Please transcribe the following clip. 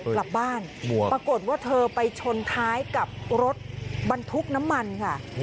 กลับบ้านปรากฏว่าเธอไปชนท้ายกับรถบรรทุกน้ำมันค่ะ